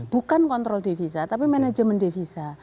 bukan kontrol divisa tapi manajemen divisa